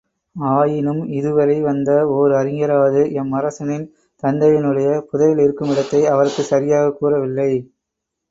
ஆயினும் இதுவரை வந்த ஒர் அறிஞராவது எம்மரசனின் தந்தையினுடைய புதையல் இருக்கும் இடத்தை அவருக்குச் சரியாகக் கூறவில்லை.